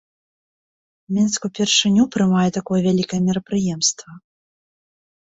Мінск упершыню прымае такое вялікае мерапрыемства.